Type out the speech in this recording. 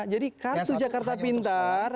jadi kartu jakarta pintar